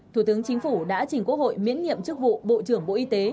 thủ tướng chính phủ đã trình quốc hội miễn nhiệm chức vụ bộ trưởng bộ y tế